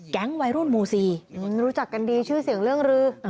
วัยรุ่นหมู่๔รู้จักกันดีชื่อเสียงเรื่องรือ